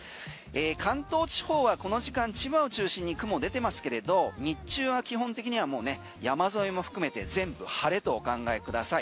関東地方はこの時間千葉を中心に雲出てますけれど日中は基本的にはもうね山沿いも含めて全部晴れとお考えください。